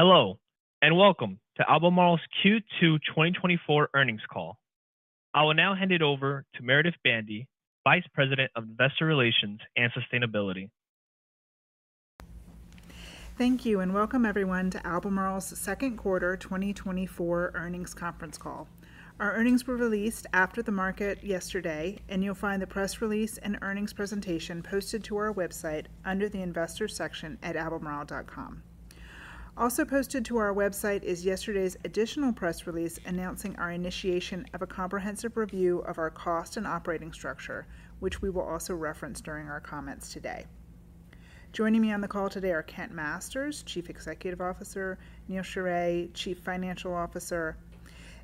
Hello, and welcome to Albemarle's Q2 2024 Earnings Call. I will now hand it over to Meredith Bandy, Vice President of Investor Relations and Sustainability. Thank you, and welcome everyone to Albemarle's second quarter 2024 earnings conference call. Our earnings were released after the market yesterday, and you'll find the press release and earnings presentation posted to our website under the Investor section at albemarle.com. Also posted to our website is yesterday's additional press release announcing our initiation of a comprehensive review of our cost and operating structure, which we will also reference during our comments today. Joining me on the call today are Kent Masters, Chief Executive Officer, Neal Sheorey, Chief Financial Officer,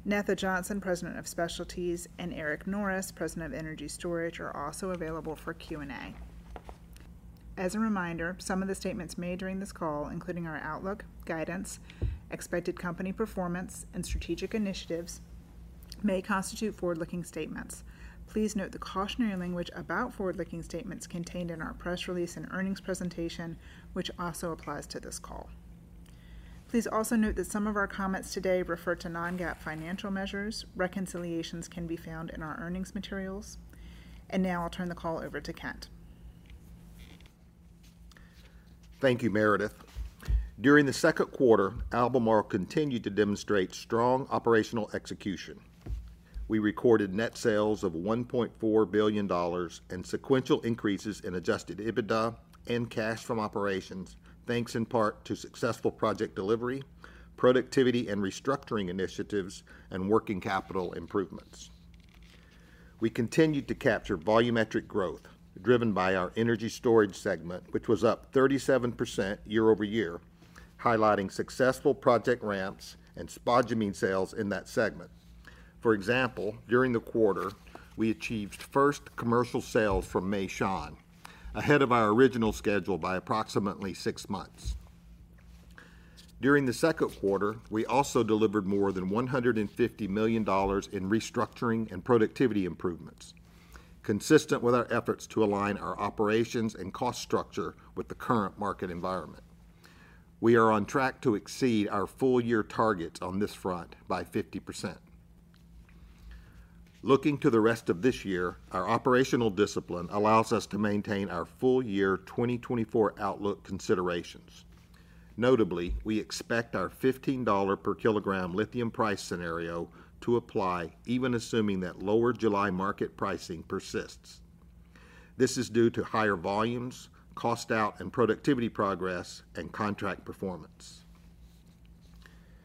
Netha Johnson, President of Specialties, and Eric Norris, President of Energy Storage, are also available for Q&A. As a reminder, some of the statements made during this call, including our outlook, guidance, expected company performance, and strategic initiatives, may constitute forward-looking statements. Please note the cautionary language about forward-looking statements contained in our press release and earnings presentation, which also applies to this call. Please also note that some of our comments today refer to non-GAAP financial measures. Reconciliations can be found in our earnings materials. Now I'll turn the call over to Kent. Thank you, Meredith. During the second quarter, Albemarle continued to demonstrate strong operational execution. We recorded net sales of $1.4 billion and sequential increases in adjusted EBITDA and cash from operations, thanks in part to successful project delivery, productivity and restructuring initiatives, and working capital improvements. We continued to capture volumetric growth driven by our energy storage segment, which was up 37% year-over-year, highlighting successful project ramps and spodumene sales in that segment. For example, during the quarter, we achieved first commercial sales for Meishan, ahead of our original schedule by approximately six months. During the second quarter, we also delivered more than $150 million in restructuring and productivity improvements, consistent with our efforts to align our operations and cost structure with the current market environment. We are on track to exceed our full-year targets on this front by 50%. Looking to the rest of this year, our operational discipline allows us to maintain our full-year 2024 outlook considerations. Notably, we expect our $15 per kilogram lithium price scenario to apply, even assuming that lower July market pricing persists. This is due to higher volumes, cost out and productivity progress, and contract performance.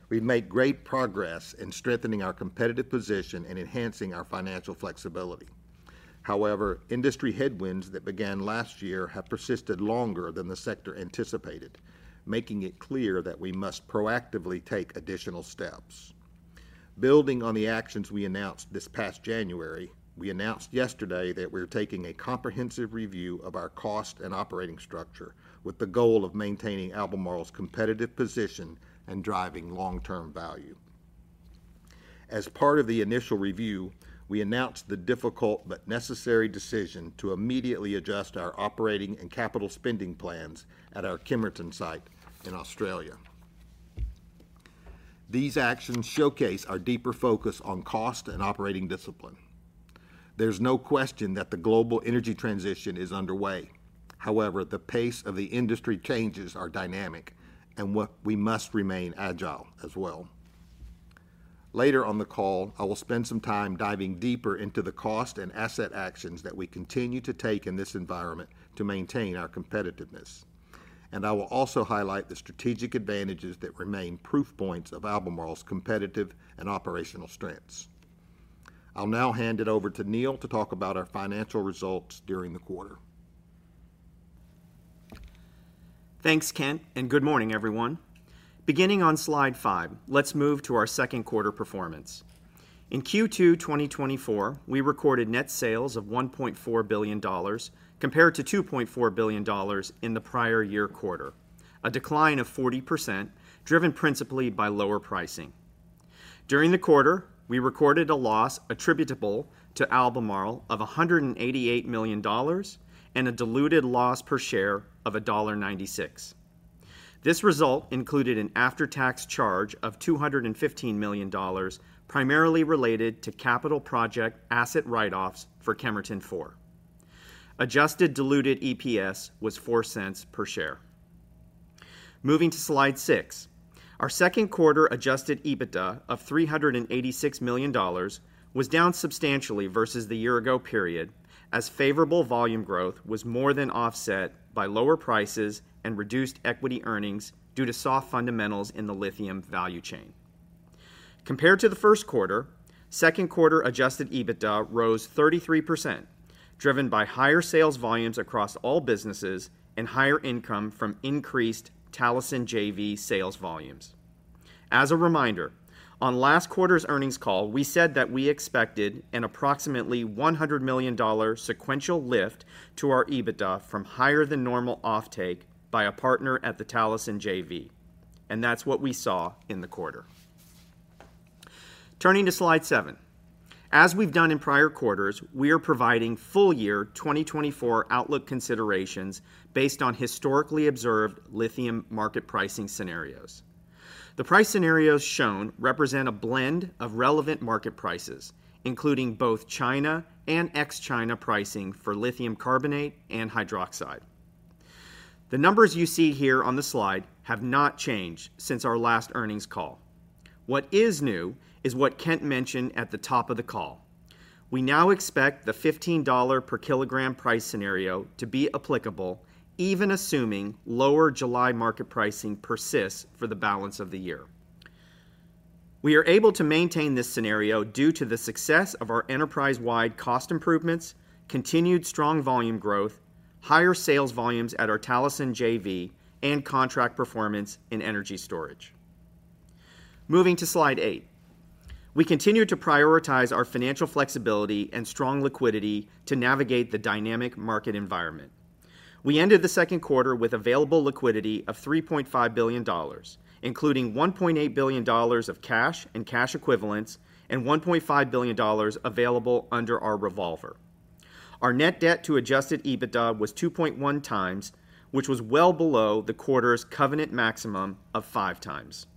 We've made great progress in strengthening our competitive position and enhancing our financial flexibility. However, industry headwinds that began last year have persisted longer than the sector anticipated, making it clear that we must proactively take additional steps. Building on the actions we announced this past January, we announced yesterday that we're taking a comprehensive review of our cost and operating structure with the goal of maintaining Albemarle's competitive position and driving long-term value. As part of the initial review, we announced the difficult but necessary decision to immediately adjust our operating and capital spending plans at our Kemerton site in Australia. These actions showcase our deeper focus on cost and operating discipline. There's no question that the global energy transition is underway. However, the pace of the industry changes is dynamic, and we must remain agile as well. Later on the call, I will spend some time diving deeper into the cost and asset actions that we continue to take in this environment to maintain our competitiveness. I will also highlight the strategic advantages that remain proof points of Albemarle's competitive and operational strengths. I'll now hand it over to Neal to talk about our financial results during the quarter. Thanks, Kent, and good morning, everyone. Beginning on slide five, let's move to our second quarter performance. In Q2 2024, we recorded net sales of $1.4 billion, compared to $2.4 billion in the prior year quarter, a decline of 40% driven principally by lower pricing. During the quarter, we recorded a loss attributable to Albemarle of $188 million and a diluted loss per share of $1.96. This result included an after-tax charge of $215 million, primarily related to capital project asset write-offs for Kemerton 4. Adjusted Diluted EPS was $0.04 per share. Moving to slide six, our second quarter adjusted EBITDA of $386 million was down substantially versus the year-ago period, as favorable volume growth was more than offset by lower prices and reduced equity earnings due to soft fundamentals in the lithium value chain. Compared to the first quarter, second quarter adjusted EBITDA rose 33%, driven by higher sales volumes across all businesses and higher income from increased Talison JV sales volumes. As a reminder, on last quarter's earnings call, we said that we expected an approximately $100 million sequential lift to our EBITDA from higher than normal offtake by a partner at the Talison JV. That's what we saw in the quarter. Turning to slide seven, as we've done in prior quarters, we are providing full-year 2024 outlook considerations based on historically observed lithium market pricing scenarios. The price scenarios shown represent a blend of relevant market prices, including both China and ex-China pricing for lithium carbonate and hydroxide. The numbers you see here on the slide have not changed since our last earnings call. What is new is what Kent mentioned at the top of the call. We now expect the $15 per kilogram price scenario to be applicable, even assuming lower July market pricing persists for the balance of the year. We are able to maintain this scenario due to the success of our enterprise-wide cost improvements, continued strong volume growth, higher sales volumes at our Talison JV, and contract performance in energy storage. Moving to slide eight, we continue to prioritize our financial flexibility and strong liquidity to navigate the dynamic market environment. We ended the second quarter with available liquidity of $3.5 billion, including $1.8 billion of cash and cash equivalents, and $1.5 billion available under our revolver. Our net debt to adjusted EBITDA was 2.1 times, which was well below the quarter's covenant maximum of five times.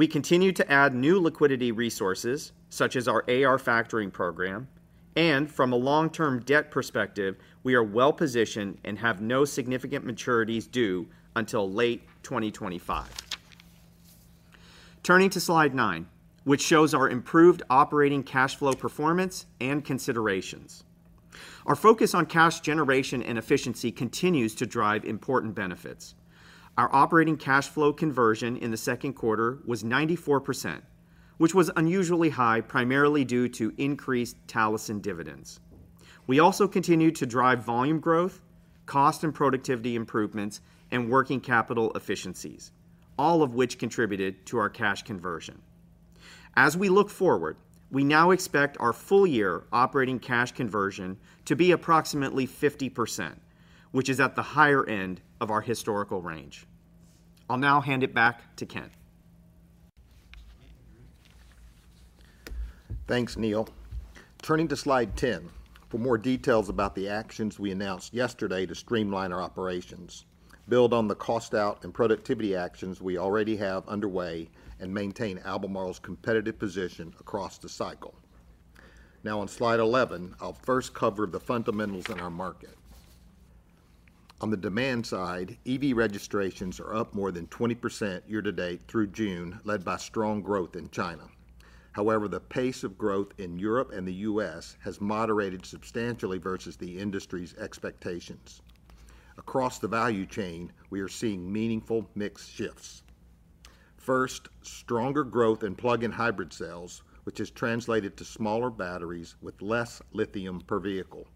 We continue to add new liquidity resources, such as our AR factoring program, and from a long-term debt perspective, we are well positioned and have no significant maturities due until late 2025. Turning to slide nine, which shows our improved operating cash flow performance and considerations. Our focus on cash generation and efficiency continues to drive important benefits. Our operating cash flow conversion in the second quarter was 94%, which was unusually high, primarily due to increased Talison dividends. We also continued to drive volume growth, cost and productivity improvements, and working capital efficiencies, all of which contributed to our cash conversion. As we look forward, we now expect our full-year operating cash conversion to be approximately 50%, which is at the higher end of our historical range. I'll now hand it back to Kent. Thanks, Neal. Turning to slide 10, for more details about the actions we announced yesterday to streamline our operations, build on the cost out and productivity actions we already have underway, and maintain Albemarle's competitive position across the cycle. Now on slide 11, I'll first cover the fundamentals in our market. On the demand side, EV registrations are up more than 20% year-to-date through June, led by strong growth in China. However, the pace of growth in Europe and the U.S. has moderated substantially versus the industry's expectations. Across the value chain, we are seeing meaningful mixed shifts. First, stronger growth in plug-in hybrid cells, which is translated to smaller batteries with less lithium per vehicle.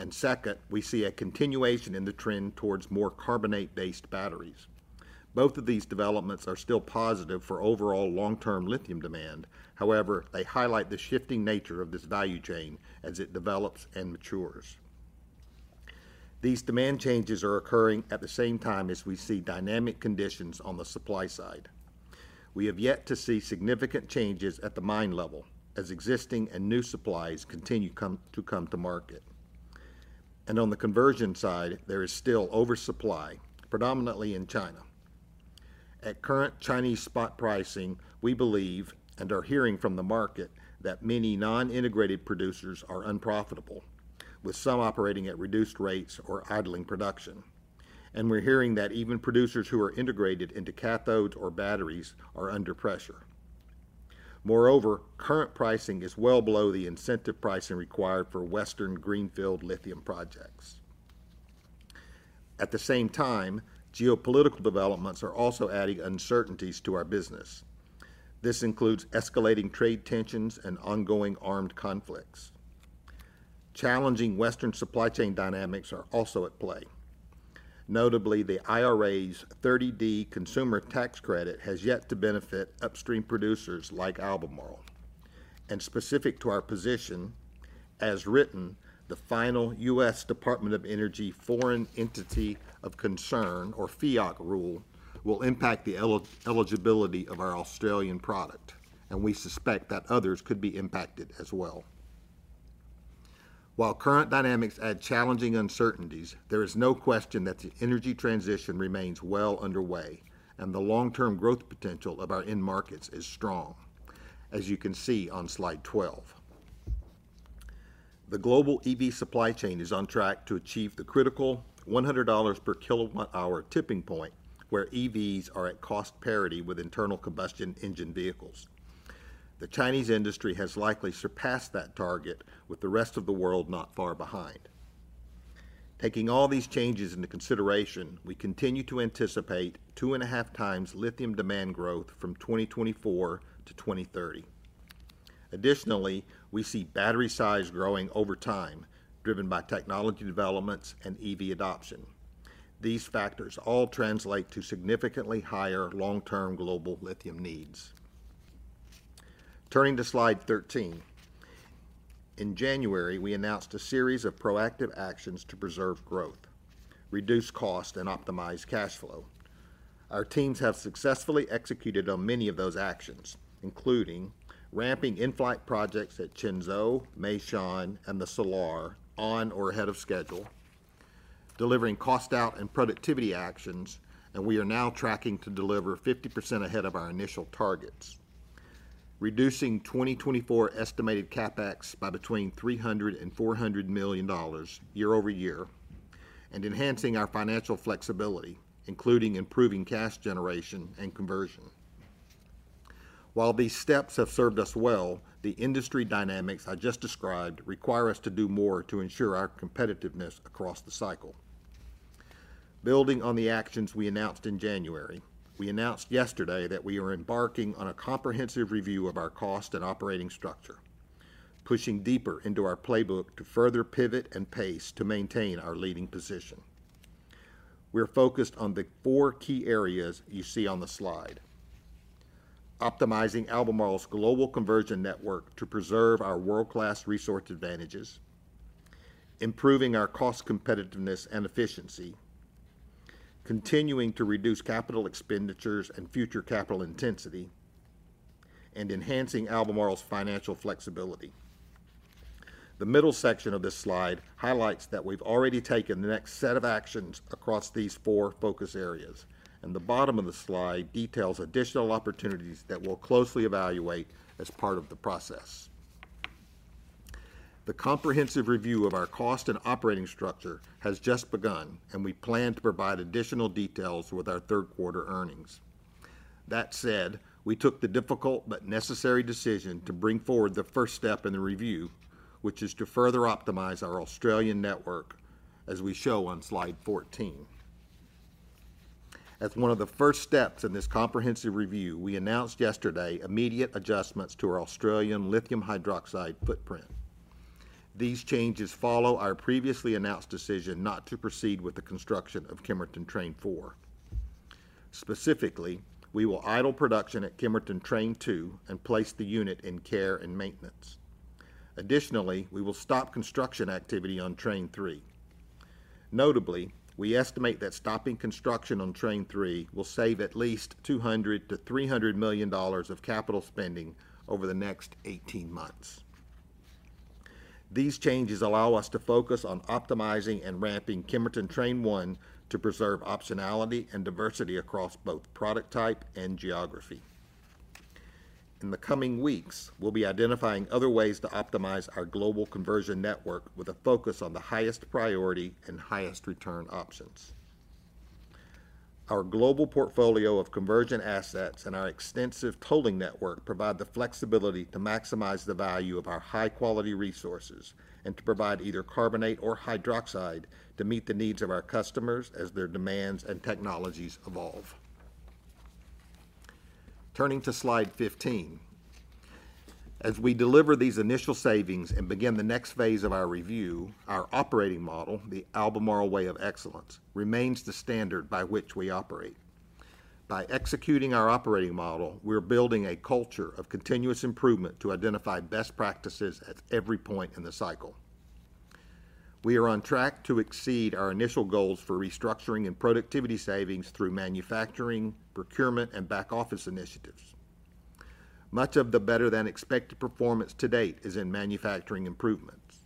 And second, we see a continuation in the trend towards more carbonate-based batteries. Both of these developments are still positive for overall long-term lithium demand. However, they highlight the shifting nature of this value chain as it develops and matures. These demand changes are occurring at the same time as we see dynamic conditions on the supply side. We have yet to see significant changes at the mine level, as existing and new supplies continue to come to market. On the conversion side, there is still oversupply, predominantly in China. At current Chinese spot pricing, we believe, and are hearing from the market, that many non-integrated producers are unprofitable, with some operating at reduced rates or idling production. We're hearing that even producers who are integrated into cathodes or batteries are under pressure. Moreover, current pricing is well below the incentive pricing required for Western greenfield lithium projects. At the same time, geopolitical developments are also adding uncertainties to our business. This includes escalating trade tensions and ongoing armed conflicts. Challenging Western supply chain dynamics are also at play. Notably, the IRA's 30D consumer tax credit has yet to benefit upstream producers like Albemarle. Specific to our position, as written, the final U.S. Department of Energy Foreign Entity of Concern, or FEOC rule, will impact the eligibility of our Australian product, and we suspect that others could be impacted as well. While current dynamics add challenging uncertainties, there is no question that the energy transition remains well underway, and the long-term growth potential of our end markets is strong, as you can see on slide 12. The global EV supply chain is on track to achieve the critical $100 per kilowatt-hour tipping point, where EVs are at cost parity with internal combustion engine vehicles. The Chinese industry has likely surpassed that target, with the rest of the world not far behind. Taking all these changes into consideration, we continue to anticipate 2.5 times lithium demand growth from 2024 to 2030. Additionally, we see battery size growing over time, driven by technology developments and EV adoption. These factors all translate to significantly higher long-term global lithium needs. Turning to slide 13, in January, we announced a series of proactive actions to preserve growth, reduce cost, and optimize cash flow. Our teams have successfully executed on many of those actions, including ramping in-flight projects at Qinzhou, Meishan, and the Salar on or ahead of schedule, delivering cost out and productivity actions, and we are now tracking to deliver 50% ahead of our initial targets, reducing 2024 estimated CapEx by between $300 million-$400 million year-over-year, and enhancing our financial flexibility, including improving cash generation and conversion. While these steps have served us well, the industry dynamics I just described require us to do more to ensure our competitiveness across the cycle. Building on the actions we announced in January, we announced yesterday that we are embarking on a comprehensive review of our cost and operating structure, pushing deeper into our playbook to further pivot and pace to maintain our leading position. We're focused on the four key areas you see on the slide: optimizing Albemarle's global conversion network to preserve our world-class resource advantages, improving our cost competitiveness and efficiency, continuing to reduce capital expenditures and future capital intensity, and enhancing Albemarle's financial flexibility. The middle section of this slide highlights that we've already taken the next set of actions across these four focus areas, and the bottom of the slide details additional opportunities that we'll closely evaluate as part of the process. The comprehensive review of our cost and operating structure has just begun, and we plan to provide additional details with our third quarter earnings. That said, we took the difficult but necessary decision to bring forward the first step in the review, which is to further optimize our Australian network, as we show on slide 14. As one of the first steps in this comprehensive review, we announced yesterday immediate adjustments to our Australian lithium hydroxide footprint. These changes follow our previously announced decision not to proceed with the construction of Kemerton Train Four. Specifically, we will idle production at Kemerton Train Two and place the unit in care and maintenance. Additionally, we will stop construction activity on Train Three. Notably, we estimate that stopping construction on Train Three will save at least $200 million-$300 million of capital spending over the next 18 months. These changes allow us to focus on optimizing and ramping Kemerton Train One to preserve optionality and diversity across both product type and geography. In the coming weeks, we'll be identifying other ways to optimize our global conversion network with a focus on the highest priority and highest return options. Our global portfolio of conversion assets and our extensive tolling network provide the flexibility to maximize the value of our high-quality resources and to provide either carbonate or hydroxide to meet the needs of our customers as their demands and technologies evolve. Turning to slide 15, as we deliver these initial savings and begin the next phase of our review, our operating model, the Albemarle Way of Excellence, remains the standard by which we operate. By executing our operating model, we are building a culture of continuous improvement to identify best practices at every point in the cycle. We are on track to exceed our initial goals for restructuring and productivity savings through manufacturing, procurement, and back office initiatives. Much of the better-than-expected performance to date is in manufacturing improvements.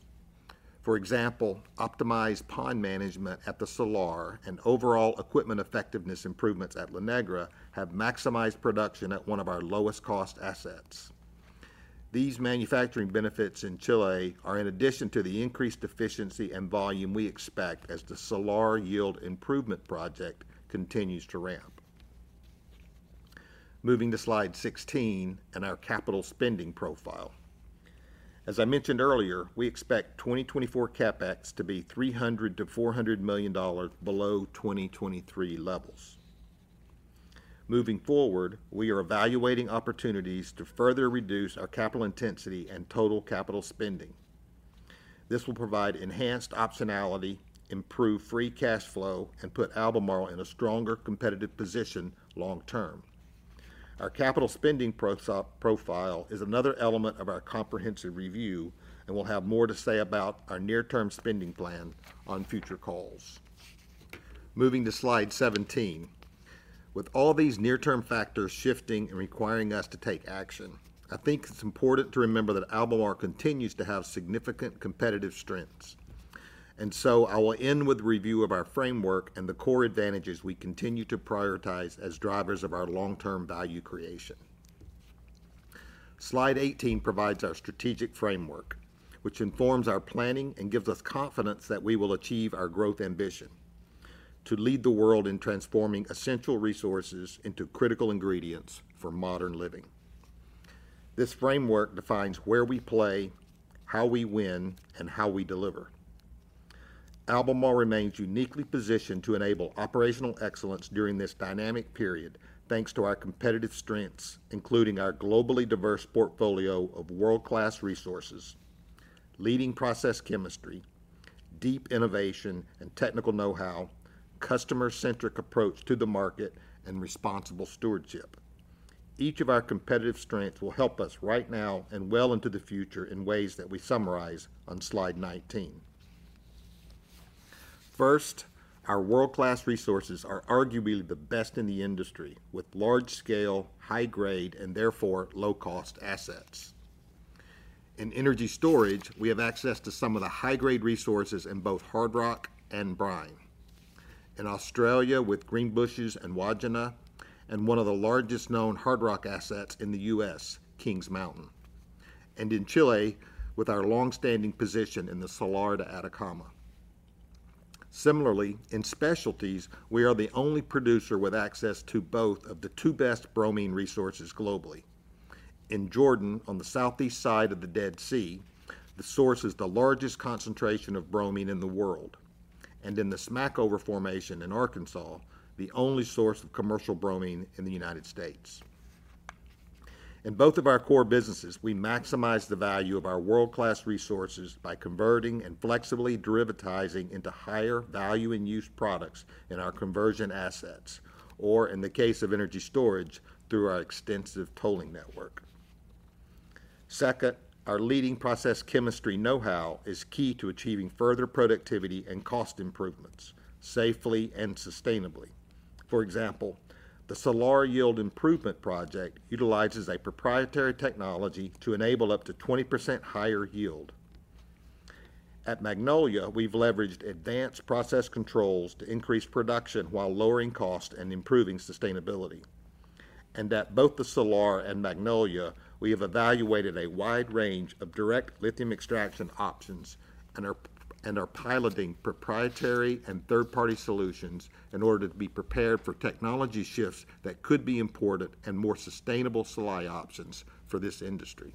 For example, optimized pond management at the Salar and overall equipment effectiveness improvements at La Negra have maximized production at one of our lowest cost assets. These manufacturing benefits in Chile are in addition to the increased efficiency and volume we expect as the Salar Yield Improvement Project continues to ramp. Moving to slide 16 and our capital spending profile. As I mentioned earlier, we expect 2024 CapEx to be $300 million-$400 million below 2023 levels. Moving forward, we are evaluating opportunities to further reduce our capital intensity and total capital spending. This will provide enhanced optionality, improve free cash flow, and put Albemarle in a stronger competitive position long-term. Our capital spending profile is another element of our comprehensive review, and we'll have more to say about our near-term spending plan on future calls. Moving to slide 17. With all these near-term factors shifting and requiring us to take action, I think it's important to remember that Albemarle continues to have significant competitive strengths. And so I will end with a review of our framework and the core advantages we continue to prioritize as drivers of our long-term value creation. Slide 18 provides our strategic framework, which informs our planning and gives us confidence that we will achieve our growth ambition to lead the world in transforming essential resources into critical ingredients for modern living. This framework defines where we play, how we win, and how we deliver. Albemarle remains uniquely positioned to enable operational excellence during this dynamic period, thanks to our competitive strengths, including our globally diverse portfolio of world-class resources, leading process chemistry, deep innovation and technical know-how, customer-centric approach to the market, and responsible stewardship. Each of our competitive strengths will help us right now and well into the future in ways that we summarize on slide 19. First, our world-class resources are arguably the best in the industry with large-scale, high-grade, and therefore low-cost assets. In energy storage, we have access to some of the high-grade resources in both hard rock and brine, in Australia with Greenbushes and Wodgina, and one of the largest known hard rock assets in the U.S., Kings Mountain. In Chile, with our long-standing position in the Salar de Atacama. Similarly, in Specialties, we are the only producer with access to both of the two best bromine resources globally. In Jordan, on the southeast side of the Dead Sea, the source is the largest concentration of bromine in the world. In the Smackover Formation in Arkansas, the only source of commercial bromine in the United States. In both of our core businesses, we maximize the value of our world-class resources by converting and flexibly derivatizing into higher value-and-use products in our conversion assets, or in the case of energy storage, through our extensive tolling network. Second, our leading process chemistry know-how is key to achieving further productivity and cost improvements safely and sustainably. For example, the Salar yield improvement project utilizes a proprietary technology to enable up to 20% higher yield. At Magnolia, we've leveraged advanced process controls to increase production while lowering costs and improving sustainability. And at both the Salar and Magnolia, we have evaluated a wide range of direct lithium extraction options and are piloting proprietary and third-party solutions in order to be prepared for technology shifts that could be important and more sustainable supply options for this industry.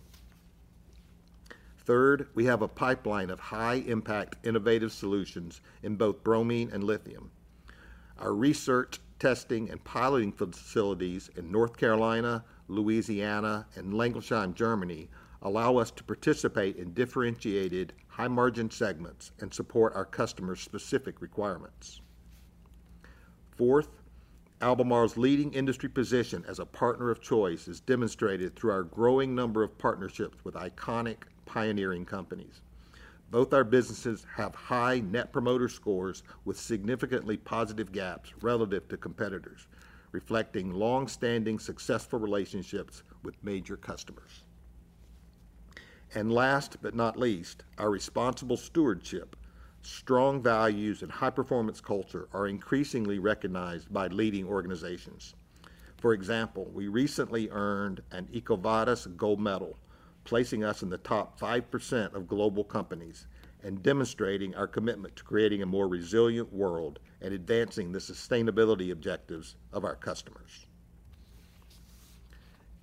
Third, we have a pipeline of high-impact innovative solutions in both bromine and lithium. Our research, testing, and piloting facilities in North Carolina, Louisiana, and Langelsheim, Germany, allow us to participate in differentiated high-margin segments and support our customer-specific requirements. Fourth, Albemarle's leading industry position as a partner of choice is demonstrated through our growing number of partnerships with iconic pioneering companies. Both our businesses have high Net Promoter Scores with significantly positive gaps relative to competitors, reflecting long-standing successful relationships with major customers. And last but not least, our responsible stewardship, strong values, and high-performance culture are increasingly recognized by leading organizations. For example, we recently earned an EcoVadis Gold Medal, placing us in the top 5% of global companies and demonstrating our commitment to creating a more resilient world and advancing the sustainability objectives of our customers.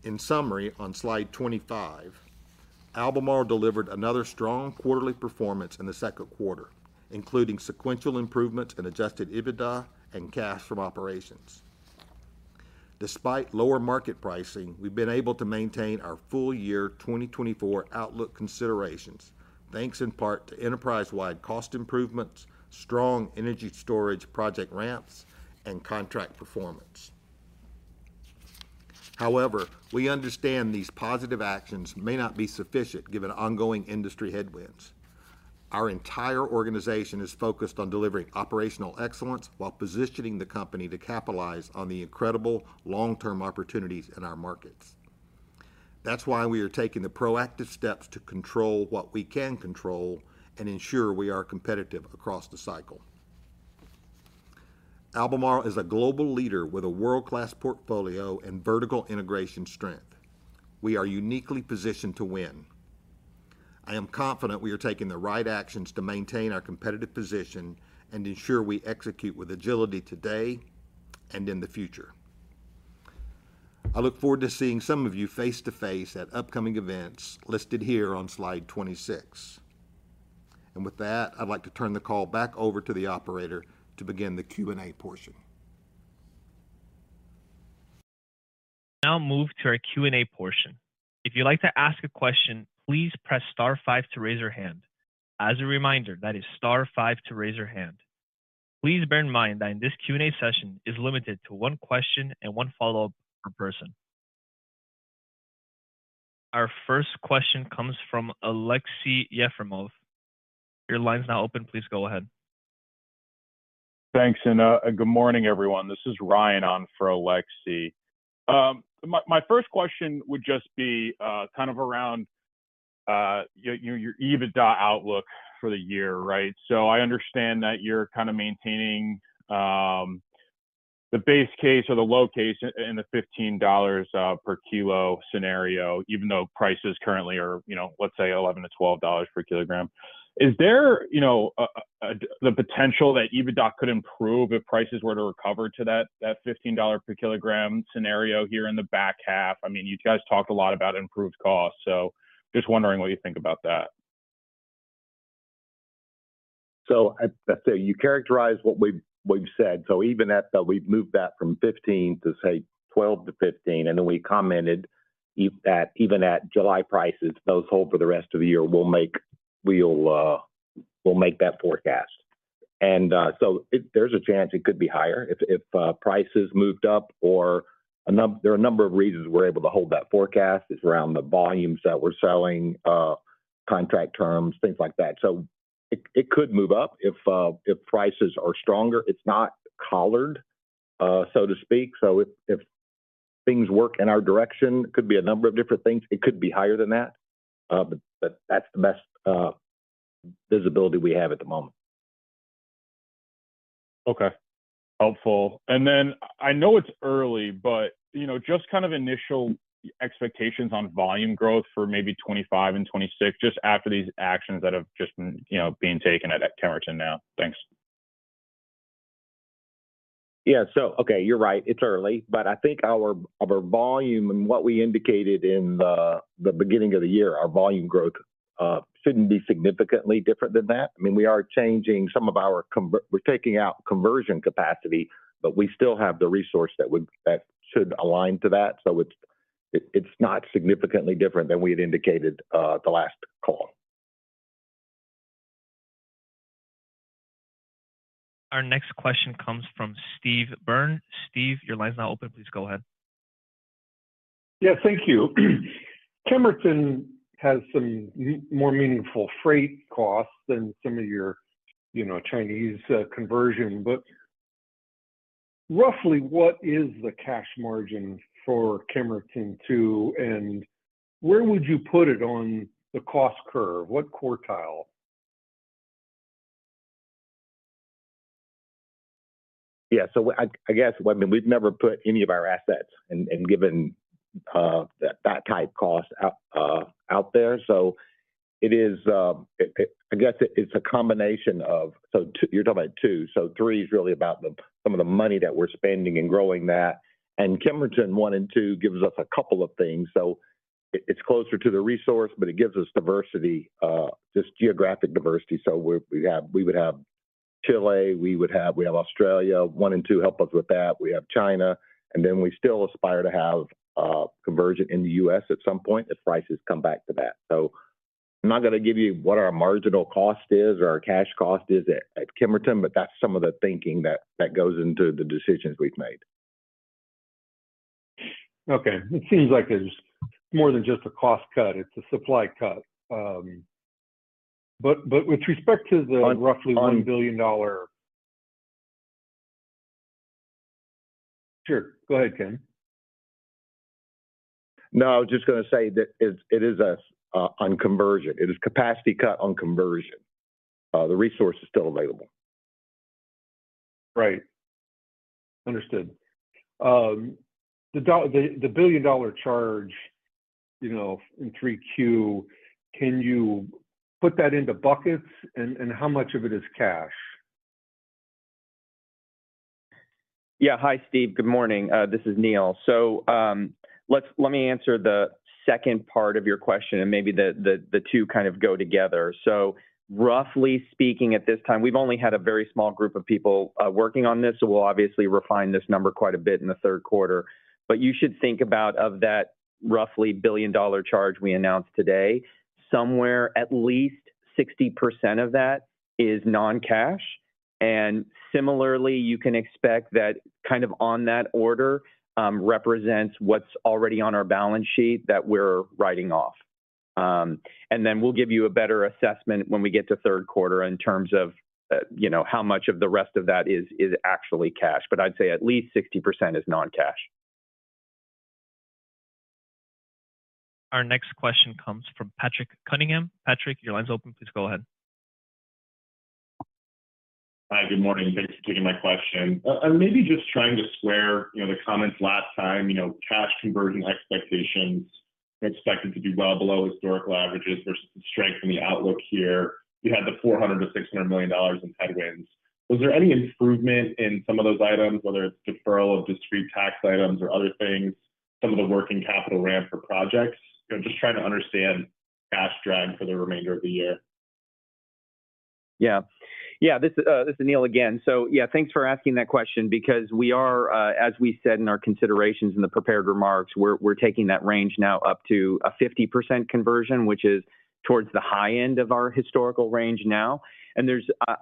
In summary, on slide 25, Albemarle delivered another strong quarterly performance in the second quarter, including sequential improvements in adjusted EBITDA and cash from operations. Despite lower market pricing, we've been able to maintain our full-year 2024 outlook considerations, thanks in part to enterprise-wide cost improvements, strong energy storage project ramps, and contract performance. However, we understand these positive actions may not be sufficient given ongoing industry headwinds. Our entire organization is focused on delivering operational excellence while positioning the company to capitalize on the incredible long-term opportunities in our markets. That's why we are taking the proactive steps to control what we can control and ensure we are competitive across the cycle. Albemarle is a global leader with a world-class portfolio and vertical integration strength. We are uniquely positioned to win. I am confident we are taking the right actions to maintain our competitive position and ensure we execute with agility today and in the future. I look forward to seeing some of you face-to-face at upcoming events listed here on slide 26. And with that, I'd like to turn the call back over to the operator to begin the Q&A portion. Now move to our Q&A portion. If you'd like to ask a question, please press star five to raise your hand. As a reminder, that is star five to raise your hand. Please bear in mind that this Q&A session is limited to one question and one follow-up per person. Our first question comes from Aleksey Yefremov. Your line's now open. Please go ahead. Thanks. And good morning, everyone. This is Ryan on for Aleksey. My first question would just be kind of around your EBITDA outlook for the year, right? So I understand that you're kind of maintaining the base case or the low case in the $15 per kilo scenario, even though prices currently are, let's say, $11-$12 per kilogram. Is there the potential that EBITDA could improve if prices were to recover to that $15 per kilogram scenario here in the back half? I mean, you guys talked a lot about improved costs, so just wondering what you think about that? So you characterized what we've said. So even at that, we've moved that from $15 to, say, $12-$15. And then we commented that even at July prices, those hold for the rest of the year, we'll make that forecast. And so there's a chance it could be higher if prices moved up, or there are a number of reasons we're able to hold that forecast. It's around the volumes that we're selling, contract terms, things like that. So it could move up if prices are stronger. It's not collared, so to speak. So if things work in our direction, it could be a number of different things. It could be higher than that, but that's the best visibility we have at the moment. Okay. Helpful. And then I know it's early, but just kind of initial expectations on volume growth for maybe 2025 and 2026, just after these actions that have just been taken at Kemerton now? Thanks. Yeah. So, okay, you're right. It's early, but I think our volume and what we indicated in the beginning of the year, our volume growth shouldn't be significantly different than that. I mean, we are changing some of our—we're taking out conversion capacity, but we still have the resource that should align to that. So it's not significantly different than we had indicated the last call. Our next question comes from Steve Byrne. Steve, your line's now open. Please go ahead. Yeah. Thank you. Kemerton has some more meaningful freight costs than some of your Chinese conversion. But roughly, what is the cash margin for Kemerton Two and where would you put it on the cost curve? What quartile? Yeah. So I guess, I mean, we've never put any of our assets and given that type cost out there. So I guess it's a combination of—so you're talking about two. So Three is really about some of the money that we're spending and growing that. And Kemerton One and Two gives us a couple of things. So it's closer to the resource, but it gives us diversity, just geographic diversity. So we would have Chile, we have Australia—one and two help us with that. We have China. And then we still aspire to have conversion in the U.S. at some point if prices come back to that. So I'm not going to give you what our marginal cost is or our cash cost is at Kemerton, but that's some of the thinking that goes into the decisions we've made. Okay. It seems like it's more than just a cost cut. It's a supply cut. But with respect to the roughly $1 billion, sure. Go ahead, Ken. No, I was just going to say that it is on conversion. It is capacity cut on conversion. The resource is still available. Right. Understood. The billion-dollar charge in 3Q, can you put that into buckets, and how much of it is cash? Yeah. Hi, Steve. Good morning. This is Neal. So let me answer the second part of your question, and maybe the two kind of go together. So roughly speaking, at this time, we've only had a very small group of people working on this, so we'll obviously refine this number quite a bit in the third quarter. But you should think about that roughly billion-dollar charge we announced today. Somewhere at least 60% of that is non-cash. And similarly, you can expect that kind of on that order represents what's already on our balance sheet that we're writing off. And then we'll give you a better assessment when we get to third quarter in terms of how much of the rest of that is actually cash. But I'd say at least 60% is non-cash. Our next question comes from Patrick Cunningham. Patrick, your line's open. Please go ahead. Hi. Good morning. Thanks for taking my question. And maybe just trying to square the comments last time. Cash conversion expectations expected to be well below historical averages versus the strength in the outlook here. You had the $400 million-$600 million in headwinds. Was there any improvement in some of those items, whether it's deferral of discrete tax items or other things, some of the working capital ramp for projects? Just trying to understand cash drag for the remainder of the year. Yeah. Yeah. This is Neal again. So yeah, thanks for asking that question because we are, as we said in our considerations and the prepared remarks, we're taking that range now up to a 50% conversion, which is towards the high end of our historical range now. And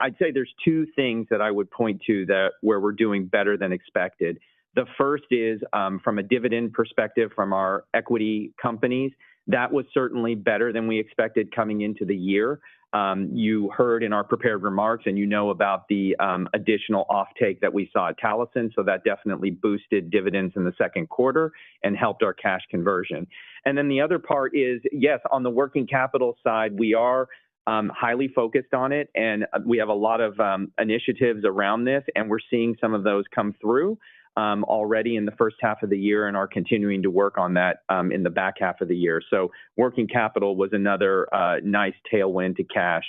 I'd say there's two things that I would point to where we're doing better than expected. The first is from a dividend perspective from our equity companies. That was certainly better than we expected coming into the year. You heard in our prepared remarks, and you know about the additional offtake that we saw at Talison. So that definitely boosted dividends in the second quarter and helped our cash conversion. And then the other part is, yes, on the working capital side, we are highly focused on it, and we have a lot of initiatives around this, and we're seeing some of those come through already in the first half of the year and are continuing to work on that in the back half of the year. So working capital was another nice tailwind to cash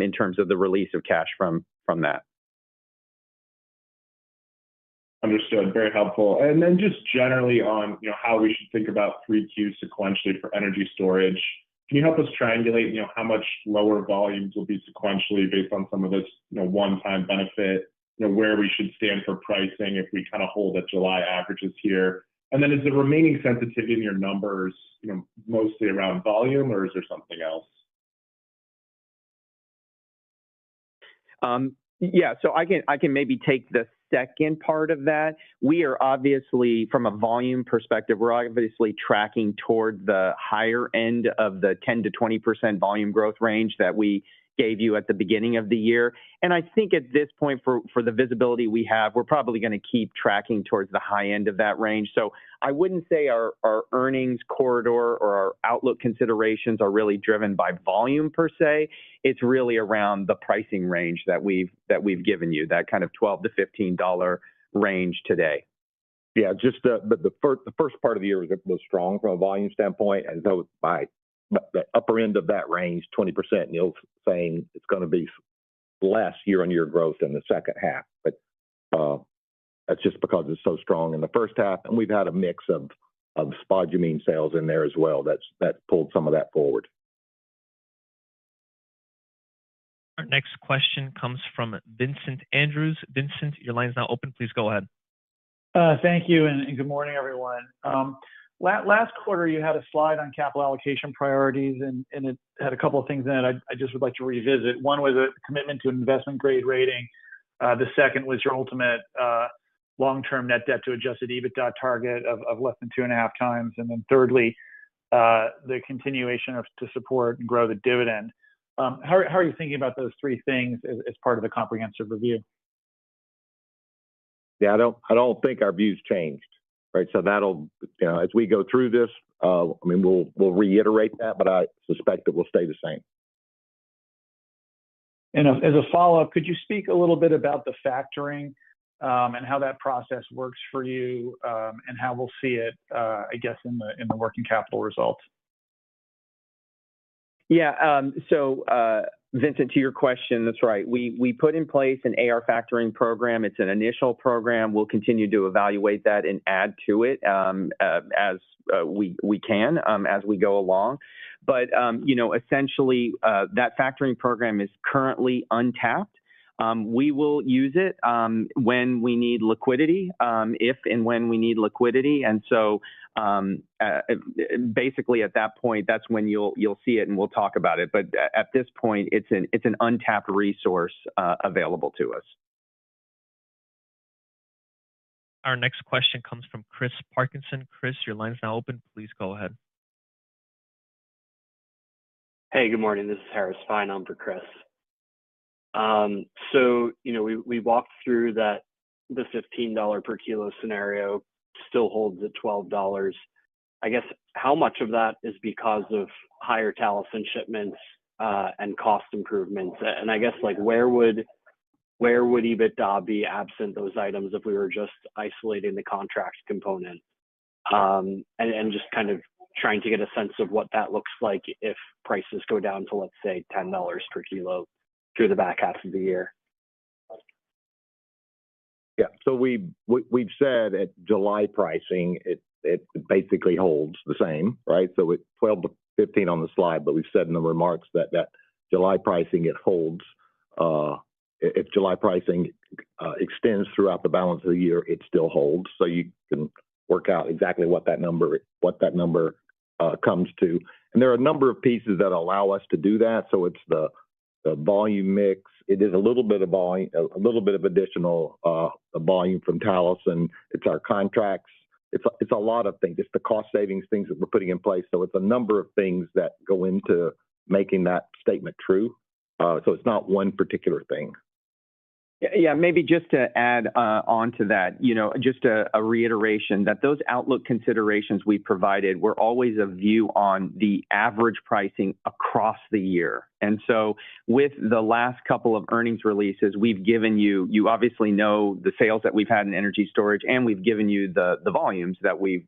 in terms of the release of cash from that. Understood. Very helpful. And then just generally on how we should think about 3Q sequentially for energy storage. Can you help us triangulate how much lower volumes will be sequentially based on some of this one-time benefit, where we should stand for pricing if we kind of hold at July averages here? And then is the remaining sensitivity in your numbers mostly around volume, or is there something else? Yeah. So I can maybe take the second part of that. We are obviously, from a volume perspective, we're obviously tracking toward the higher end of the 10%-20% volume growth range that we gave you at the beginning of the year. And I think at this point, for the visibility we have, we're probably going to keep tracking towards the high end of that range. So I wouldn't say our earnings corridor or our outlook considerations are really driven by volume per se. It's really around the pricing range that we've given you, that kind of $12-$15 range today. Yeah. Just the first part of the year was strong from a volume standpoint, and so by the upper end of that range, 20%, Neal's saying it's going to be less year-on-year growth in the second half. But that's just because it's so strong in the first half. And we've had a mix of spodumene sales in there as well that's pulled some of that forward. Our next question comes from Vincent Andrews. Vincent, your line's now open. Please go ahead. Thank you. And good morning, everyone. Last quarter, you had a slide on capital allocation priorities, and it had a couple of things in it I just would like to revisit. One was a commitment to investment-grade rating. The second was your ultimate long-term net debt to adjusted EBITDA target of less than 2.5x. And then thirdly, the continuation to support and grow the dividend. How are you thinking about those three things as part of the comprehensive review? Yeah. I don't think our view's changed, right? So as we go through this, I mean, we'll reiterate that, but I suspect it will stay the same. And as a follow-up, could you speak a little bit about the factoring and how that process works for you and how we'll see it, I guess, in the working capital results? Yeah. So Vincent, to your question, that's right. We put in place an AR factoring program. It's an initial program. We'll continue to evaluate that and add to it as we can as we go along. But essentially, that factoring program is currently untapped. We will use it when we need liquidity, if and when we need liquidity. And so basically, at that point, that's when you'll see it, and we'll talk about it. But at this point, it's an untapped resource available to us. Our next question comes from Chris Parkinson. Chris, your line's now open. Please go ahead. Hey, good morning. This is Harris Fein on for Chris. So we walked through that the $15 per kilo scenario still holds at $12. I guess how much of that is because of higher Talison shipments and cost improvements? And I guess where would EBITDA be absent those items if we were just isolating the contract component and just kind of trying to get a sense of what that looks like if prices go down to, let's say, $10 per kilo through the back half of the year? Yeah. So we've said at July pricing, it basically holds the same, right? So it's 12-15 on the slide, but we've said in the remarks that July pricing, it holds. If July pricing extends throughout the balance of the year, it still holds. So you can work out exactly what that number comes to. There are a number of pieces that allow us to do that. So it's the volume mix. It is a little bit of volume, a little bit of additional volume from Talison. It's our contracts. It's a lot of things. It's the cost savings things that we're putting in place. So it's a number of things that go into making that statement true. So it's not one particular thing. Yeah. Maybe just to add on to that, just a reiteration that those outlook considerations we provided were always a view on the average pricing across the year. And so with the last couple of earnings releases, we've given you—you obviously know the sales that we've had in energy storage, and we've given you the volumes that we've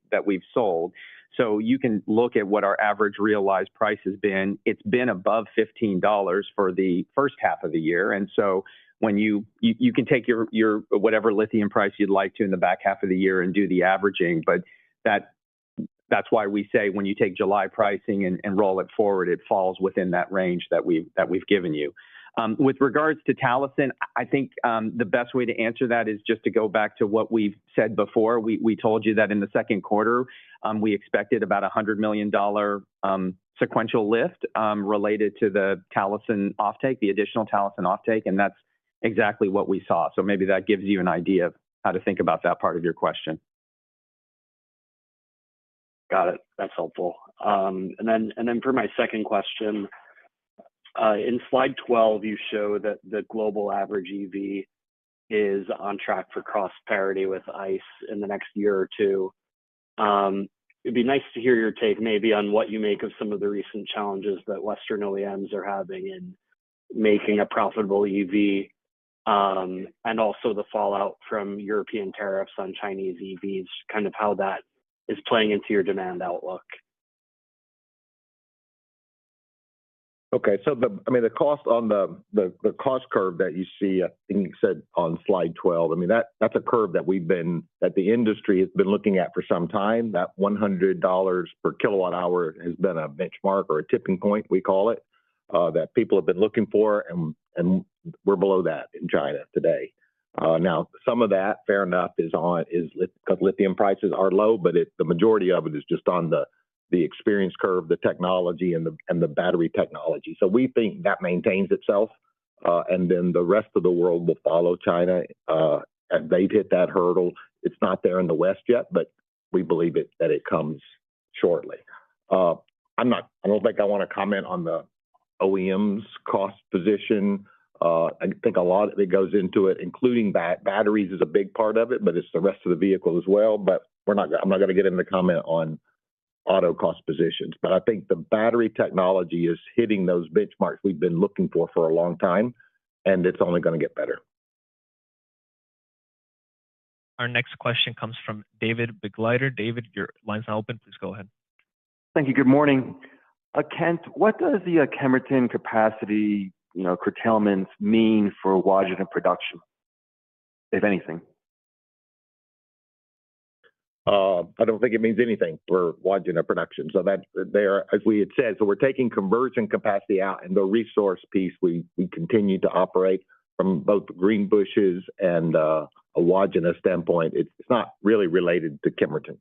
sold. So you can look at what our average realized price has been. It's been above $15 for the first half of the year. And so you can take whatever lithium price you'd like to in the back half of the year and do the averaging. But that's why we say when you take July pricing and roll it forward, it falls within that range that we've given you. With regards to Talison, I think the best way to answer that is just to go back to what we've said before. We told you that in the second quarter, we expected about a $100 million sequential lift related to the Talison offtake, the additional Talison offtake, and that's exactly what we saw. So maybe that gives you an idea of how to think about that part of your question. Got it. That's helpful. And then for my second question, in slide 12, you show that the global average EV is on track for cost parity with ICE in the next year or two. It'd be nice to hear your take maybe on what you make of some of the recent challenges that Western OEMs are having in making a profitable EV and also the fallout from European tariffs on Chinese EVs, kind of how that is playing into your demand outlook. Okay. So I mean, the cost on the cost curve that you see, I think you said on slide 12, I mean, that's a curve that the industry has been looking at for some time. That $100 per kWh has been a benchmark or a tipping point, we call it, that people have been looking for, and we're below that in China today. Now, some of that, fair enough, is because lithium prices are low, but the majority of it is just on the experience curve, the technology, and the battery technology. So we think that maintains itself, and then the rest of the world will follow China. They've hit that hurdle. It's not there in the West yet, but we believe that it comes shortly. I don't think I want to comment on the OEM's cost position. I think a lot of it goes into it, including batteries is a big part of it, but it's the rest of the vehicle as well. But I'm not going to get into comment on auto cost positions. But I think the battery technology is hitting those benchmarks we've been looking for for a long time, and it's only going to get better. Our next question comes from David Begleiter. David, your line's now open. Please go ahead. Thank you. Good morning. Kent, what does the Kemerton capacity curtailments mean for Wodgina production, if anything? I don't think it means anything for Wodgina production. So as we had said, so we're taking conversion capacity out, and the resource piece, we continue to operate from both the Greenbushes and a Wodgina standpoint. It's not really related to Kemerton.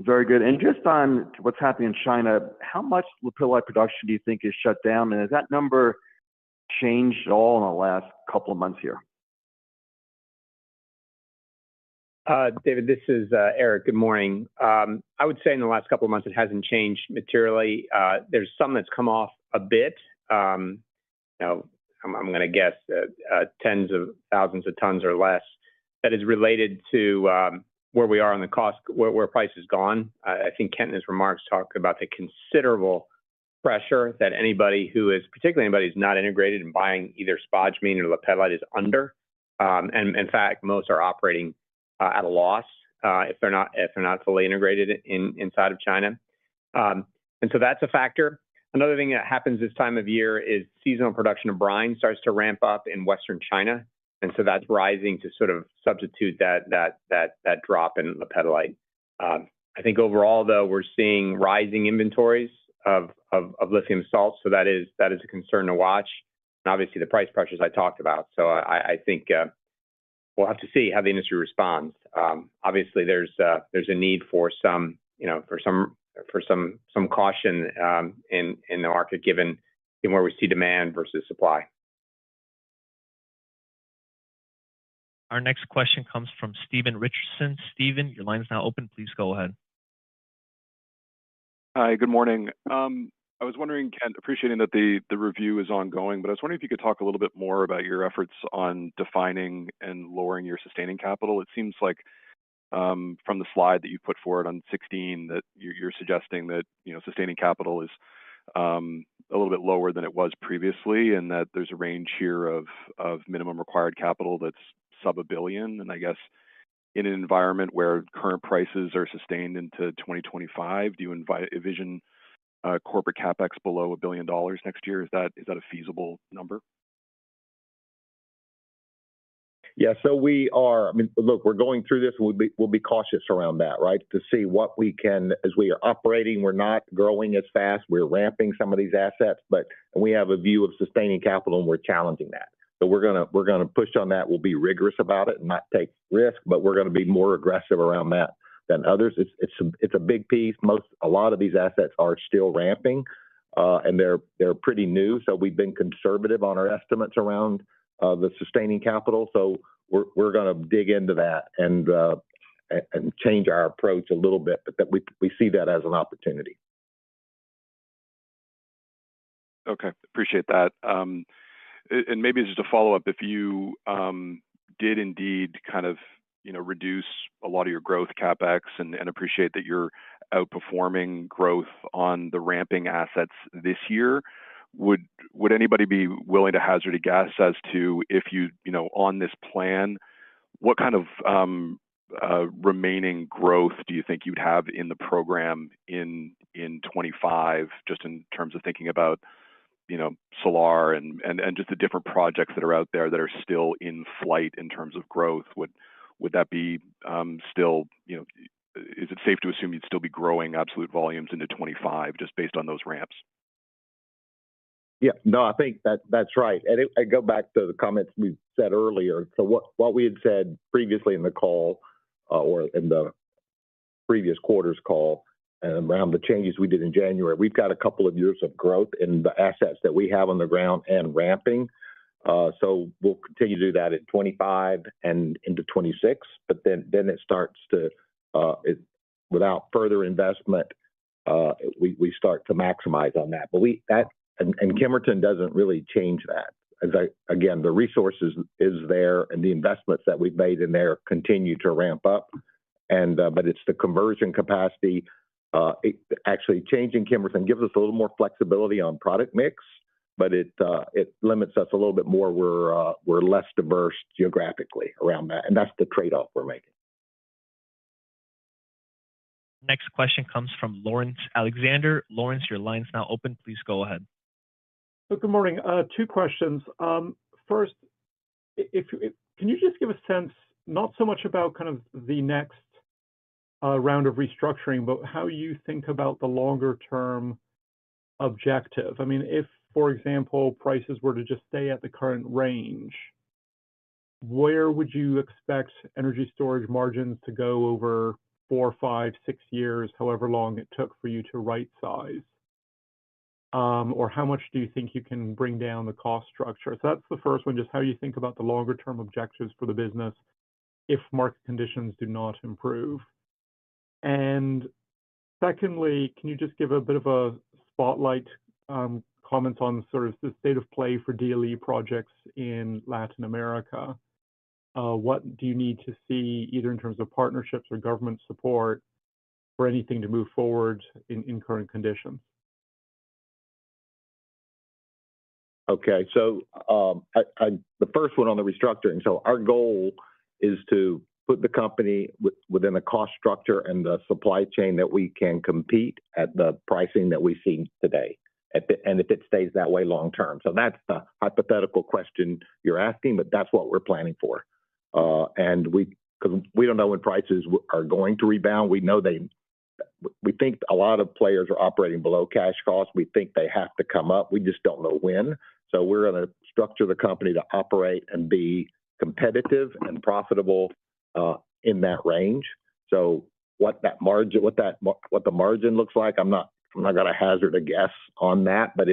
Very good. And just on what's happening in China, how much LFP production do you think is shut down? And has that number changed at all in the last couple of months here? David, this is Eric. Good morning. I would say in the last couple of months, it hasn't changed materially. There's some that's come off a bit. I'm going to guess tens of thousands of tons or less. That is related to where we are on the cost, where price has gone. I think Kent's remarks talk about the considerable pressure that anybody who is, particularly anybody who's not integrated and buying either spodumene or lepidolite is under. And in fact, most are operating at a loss if they're not fully integrated inside of China. And so that's a factor. Another thing that happens this time of year is seasonal production of brine starts to ramp up in Western China. And so that's rising to sort of substitute that drop in lepidolite. I think overall, though, we're seeing rising inventories of lithium salts. So that is a concern to watch. And obviously, the price pressures I talked about. So I think we'll have to see how the industry responds. Obviously, there's a need for some caution in the market given where we see demand versus supply. Our next question comes from Stephen Richardson. Stephen, your line's now open. Please go ahead. Hi. Good morning. I was wondering, Kent, appreciating that the review is ongoing, but I was wondering if you could talk a little bit more about your efforts on defining and lowering your sustaining capital. It seems like from the slide that you put forward on 16 that you're suggesting that sustaining capital is a little bit lower than it was previously and that there's a range here of minimum required capital that's sub $1 billion. And I guess in an environment where current prices are sustained into 2025, do you envision corporate CapEx below $1 billion next year? Is that a feasible number? Yeah. So we are, I mean, look, we're going through this, and we'll be cautious around that, right, to see what we can as we are operating. We're not growing as fast. We're ramping some of these assets, but we have a view of sustaining capital, and we're challenging that. So we're going to push on that. We'll be rigorous about it and not take risk, but we're going to be more aggressive around that than others. It's a big piece. A lot of these assets are still ramping, and they're pretty new. So we've been conservative on our estimates around the sustaining capital. So we're going to dig into that and change our approach a little bit, but we see that as an opportunity. Okay. Appreciate that. And maybe just a follow-up. If you did indeed kind of reduce a lot of your growth CapEx and appreciate that you're outperforming growth on the ramping assets this year, would anybody be willing to hazard a guess as to if you, on this plan, what kind of remaining growth do you think you'd have in the program in 2025, just in terms of thinking about Salar and just the different projects that are out there that are still in flight in terms of growth? Would that be still? Is it safe to assume you'd still be growing absolute volumes into 2025 just based on those ramps? Yeah. No, I think that's right. And I go back to the comments we've said earlier. So what we had said previously in the call or in the previous quarter's call and around the changes we did in January, we've got a couple of years of growth in the assets that we have on the ground and ramping. So we'll continue to do that in 2025 and into 2026. But then it starts to, without further investment, we start to maximize on that. And Kemerton doesn't really change that. Again, the resource is there, and the investments that we've made in there continue to ramp up. But it's the conversion capacity. Actually, changing Kemerton gives us a little more flexibility on product mix, but it limits us a little bit more. We're less diverse geographically around that. And that's the trade-off we're making. Next question comes from Laurence Alexander. Laurence, your line's now open. Please go ahead. Good morning. Two questions. First, can you just give a sense, not so much about kind of the next round of restructuring, but how you think about the longer-term objective? I mean, if, for example, prices were to just stay at the current range, where would you expect energy storage margins to go over four, five, six years, however long it took for you to right-size? Or how much do you think you can bring down the cost structure? So that's the first one, just how you think about the longer-term objectives for the business if market conditions do not improve. And secondly, can you just give a bit of a spotlight comment on sort of the state of play for DLE projects in Latin America? What do you need to see either in terms of partnerships or government support for anything to move forward in current conditions? Okay. So the first one on the restructuring. So our goal is to put the company within a cost structure and the supply chain that we can compete at the pricing that we've seen today, and if it stays that way long-term. So that's the hypothetical question you're asking, but that's what we're planning for. Because we don't know when prices are going to rebound. We think a lot of players are operating below cash cost. We think they have to come up. We just don't know when. So we're going to structure the company to operate and be competitive and profitable in that range. So what the margin looks like, I'm not going to hazard a guess on that, but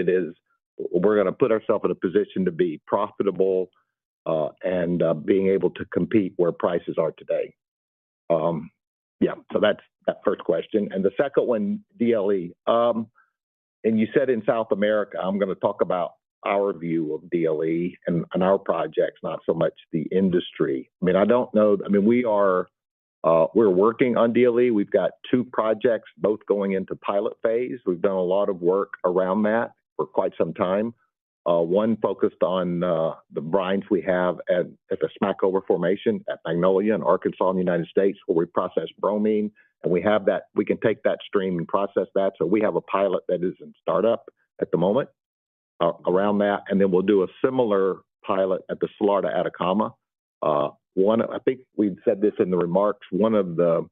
we're going to put ourselves in a position to be profitable and being able to compete where prices are today. Yeah. So that's that first question. The second one, DLE. You said in South America, I'm going to talk about our view of DLE and our projects, not so much the industry. I mean, I don't know. I mean, we're working on DLE. We've got two projects both going into pilot phase. We've done a lot of work around that for quite some time. One focused on the brines we have at the Smackover Formation at Magnolia in Arkansas in the United States, where we process bromine. We can take that stream and process that. So we have a pilot that is in startup at the moment around that. Then we'll do a similar pilot at the Salar de Atacama. I think we've said this in the remarks. One of the